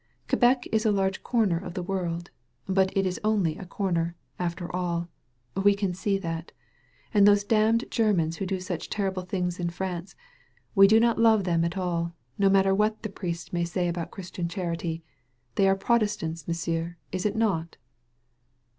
Quebec is a large comer of the world. But it is only a comer, after all, we can see that. And those damned Ger mans who do such terrible things in France, we do not love them at all, no matter what the priest may say about Christian charity. They are Protes tants, M'sieu', is it not?"